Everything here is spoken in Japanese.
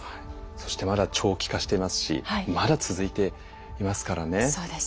そしてまだ長期化してますしまだ続いていますからね。